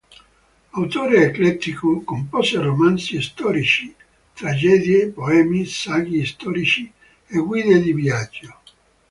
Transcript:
Autore eclettico, compose romanzi storici, tragedie, poemi, saggi storici e guide di viaggio.